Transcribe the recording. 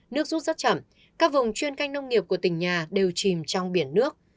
nước rút rất chậm các vùng chuyên canh nông nghiệp của tỉnh nhà đều chìm trong biển nước